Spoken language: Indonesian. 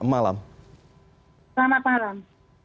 malam selamat malam